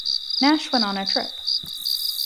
Nash went on the trip.